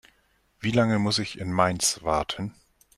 Wie lange muss ich in Mainz warten?